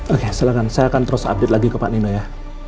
oke silahkan saya akan terus update lagi ke pak nino ya